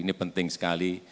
ini penting sekali